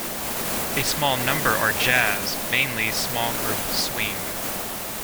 A small number are jazz, mainly small group swing.